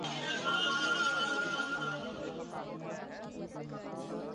آزادی کی ایسی کیفیت کہ الیکشن سٹاف بھی ان کے پولنگ ایجنٹس کے